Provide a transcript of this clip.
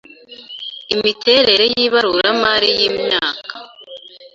imiterere y ibaruramari y imyaka